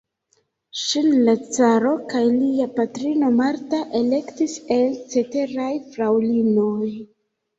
Ŝin la caro kaj lia patrino Marta elektis el ceteraj fraŭlinoj.